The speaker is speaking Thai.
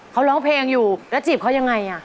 เขาร้องเพลงอยู่แล้วจีบเขายังไง